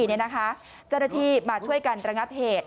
เจ้าหน้าที่มาช่วยกันระงับเหตุ